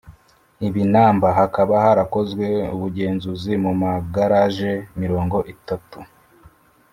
ibinamba hakaba harakozwe ubugenzuzi mu magaraje mirongo itatu